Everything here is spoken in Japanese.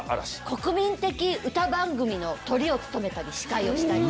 国民的歌番組のトリを務めたり司会をしたり。